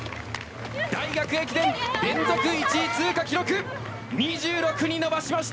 大学駅伝、連続１位通過記録２６に伸ばしました。